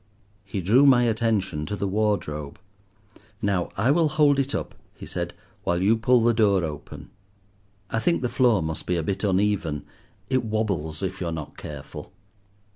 He drew my attention to the wardrobe. "Now I will hold it up," he said, "while you pull the door open; I think the floor must be a bit uneven, it wobbles if you are not careful."